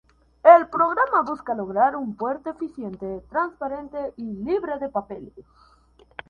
El programa busca lograr un puerto eficiente, transparente y libre de papeles.